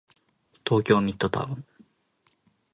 東京ミッドタウン